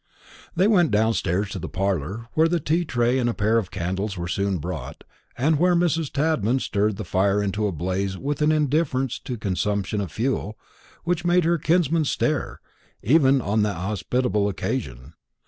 They went downstairs to the parlour, where the tea tray and a pair of candles were soon brought, and where Mrs. Tadman stirred the fire into a blaze with an indifference to the consumption of fuel which made her kinsman stare, even on that hospitable occasion.